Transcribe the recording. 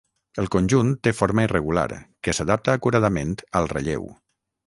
El conjunt té forma irregular, que s'adapta acuradament al relleu.